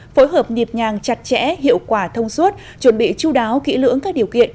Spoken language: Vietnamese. phối hợp nhịp nhàng chặt chẽ hiệu quả thông suốt chuẩn bị chú đáo kỹ lưỡng các điều kiện